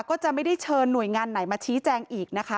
ก็จะไม่ได้เชิญหน่วยงานไหนมาชี้แจงอีกนะคะ